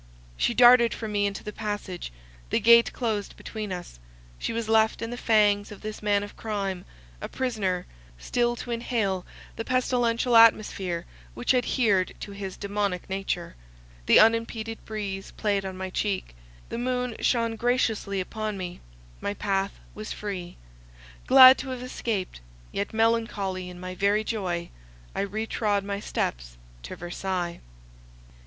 She darted from me into the passage; the gate closed between us—she was left in the fangs of this man of crime, a prisoner, still to inhale the pestilential atmosphere which adhered to his demoniac nature; the unimpeded breeze played on my cheek, the moon shone graciously upon me, my path was free. Glad to have escaped, yet melancholy in my very joy, I retrod my steps to Versailles.